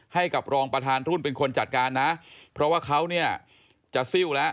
ให้กับรองประธานรุ่นเป็นคนจัดการนะเพราะว่าเขาเนี่ยจะซิลแล้ว